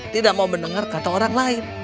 tidak mau mendengar kata orang lain